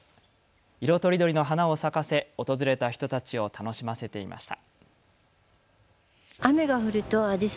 色とりどりの花を咲かせ訪れた人たちを楽しませていました。